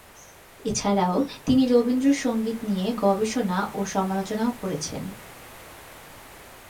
এছাড়াও তিনি রবীন্দ্র সঙ্গীত নিয়ে গবেষণা ও সমালোচনাও করেছেন।